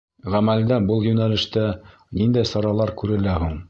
Ғәмәлдә был йүнәлештә ниндәй саралар күрелә һуң?